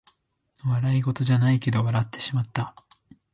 笑いごとじゃないけど笑ってしまった